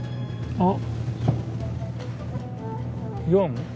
あっ。